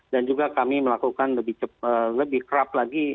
dan juga kami melakukan lebih kerap lagi